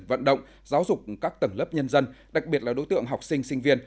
vận động giáo dục các tầng lớp nhân dân đặc biệt là đối tượng học sinh sinh viên